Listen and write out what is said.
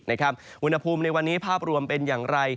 อุณหภูมิในวันนี้ภาพรวมเป็นอย่างไร